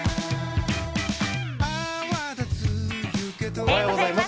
おはようございます。